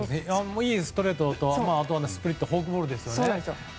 いいストレートと、スプリットフォークボールですね。